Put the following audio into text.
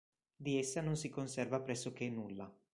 Di essa non si conserva pressoché nulla.